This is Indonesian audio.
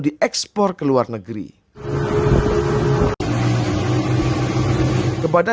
dan mencari hak pekerjaan yang menjaga keamanan